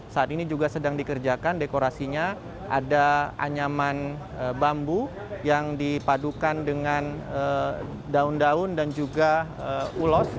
saat ini juga sedang dikerjakan dekorasinya ada anyaman bambu yang dipadukan dengan daun daun dan juga ulos